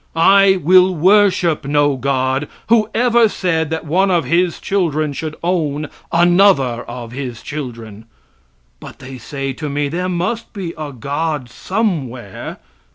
I will worship no God who ever said that one of His children should own another of His children. But they say to me, there must be a God somewhere!